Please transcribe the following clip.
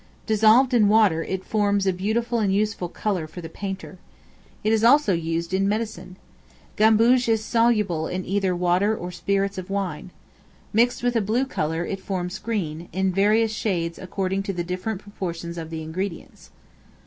Dissolved in water, it forms a beautiful and useful color for the painter. It is also used in medicine. Gamboge is soluble in either water or spirits of wine. Mixed with a blue color, it forms green, in various shades according to the different proportions of the ingredients.